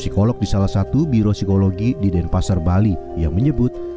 psikolog di salah satu biro psikologi di denpasar bali yang menyebut